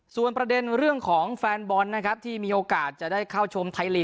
ส่วนประเด็นเรื่องของแฟนบอลนะครับที่มีโอกาสจะได้เข้าชมไทยลีก